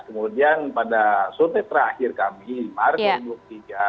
kemudian pada sotek terakhir kami maret dua puluh tiga